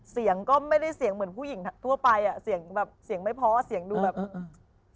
เสียงก็ไม่ได้เสียงเหมือนผู้หญิงทั่วไปอ่ะเสียงแบบเสียงไม่พอเสียงดูแบบอืม